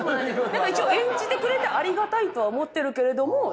一応演じてくれてありがたいとは思ってるけれども。